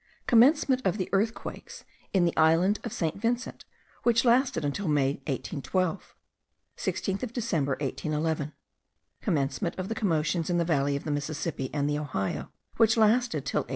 Commencement of the earthquakes in the island of St. Vincent, which lasted till May 1812. 16th of December, 1811. Commencement of the commotions in the valley of the Mississippi and the Ohio, which lasted till 1813.